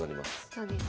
そうですね。